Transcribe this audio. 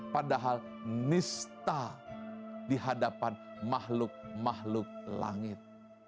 padahal nista di hadapan mahluk mahluk langit